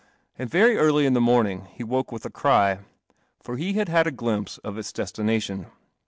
And very early in the morning he woke with a cry, for he had had a glimpse of its destination.